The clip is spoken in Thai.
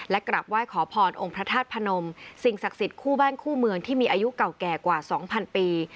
และกลับไหว้ขอพรองค์พระธาตุพนมสิ่งศักดิ์สิทธิ์คู่บ้านคู่เมืองที่มีอายุเก่าแก่กว่า๒๐๐ปี